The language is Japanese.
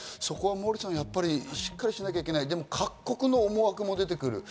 モーリーさん、しっかりしなきゃいけない、でも各国の思惑も出てくる。